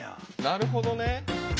なるほどね。